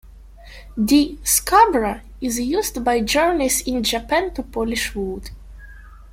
"D. scabra" is used by joiners in Japan to polish wood.